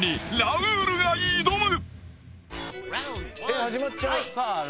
え始まっちゃう。